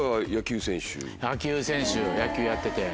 野球選手野球やってて。